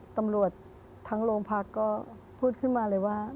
ตำรวจทั้งโรงพักก็พูดขึ้นมาเลยว่า